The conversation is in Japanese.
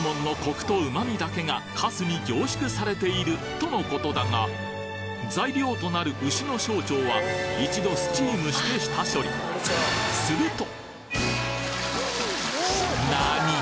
かすうどんは材料となる牛の小腸は一度スチームして下処理なに！？